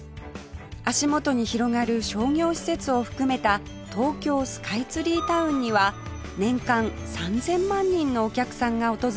足元に広がる商業施設を含めた東京スカイツリータウンには年間３０００万人のお客さんが訪れます